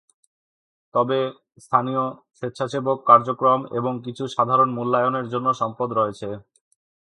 তবে, স্থানীয় স্বেচ্ছাসেবক কার্যক্রম এবং কিছু সাধারণ মূল্যায়নের জন্য সম্পদ রয়েছে।